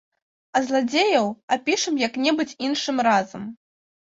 А зладзеяў апішам як-небудзь іншым разам.